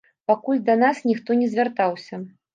Пакуль да нас ніхто не звяртаўся.